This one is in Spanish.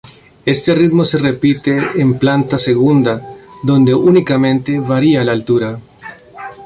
Este ritmo se repite en planta segunda, donde únicamente varía la altura.